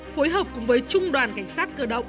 phối hợp cùng với trung đoàn cảnh sát cơ động